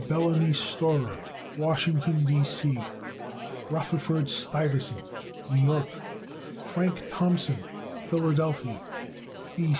Bellamy Storer, Washington, D. C. Rutherfurd Stuyvesant, New York. Frank Thompson, Philadelphia, Pa.